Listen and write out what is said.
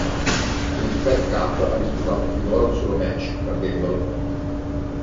In Fed Cup ha disputato finora un solo match, perdendolo.